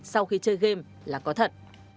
sau khi chơi game là có thật